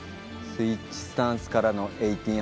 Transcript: スイッチスタンスからの１８００。